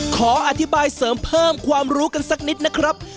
ขออธิบายเสริมเพิ่มความรู้กันสักนิดนะครับ